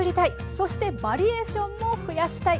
そしてバリエーションも増やしたい。